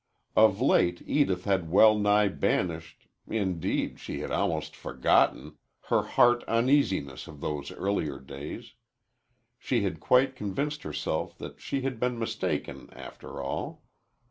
Of late Edith had well nigh banished indeed, she had almost forgotten her heart uneasiness of those earlier days. She had quite convinced herself that she had been mistaken, after all.